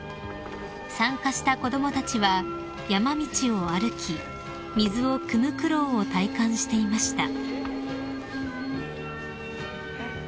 ［参加した子供たちは山道を歩き水をくむ苦労を体感していました］